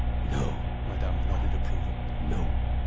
"No!" Madame nodded approval. "No!